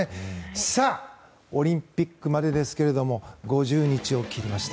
さあ、オリンピックまでですが５０日を切りました。